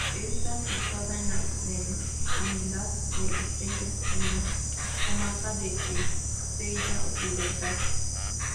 Está situado en la Merindad de Estella, en la comarca de Estella Occidental.